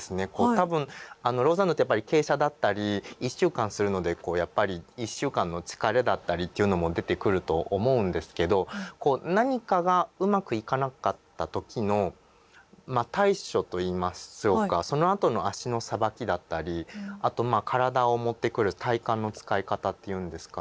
多分ローザンヌってやっぱり傾斜だったり１週間するのでこうやっぱり１週間の疲れだったりというのも出てくると思うんですけど何かがうまくいかなかった時のまあ対処と言いましょうかそのあとの足のさばきだったりあとまあ体を持ってくる体幹の使い方って言うんですかね。